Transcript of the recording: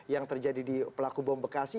yang terjadi di pelaku bom bekasi